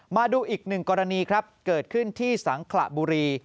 มาดูอีกหนึ่งกรณีครับเกิดขึ้นที่สังขระบุรี